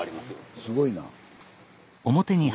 すごいな。